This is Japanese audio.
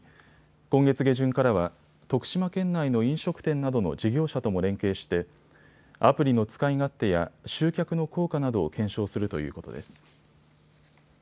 今月下旬からは徳島県内の飲食店などの事業者とも連携してアプリの使い勝手や集客の効果などを検証するということです。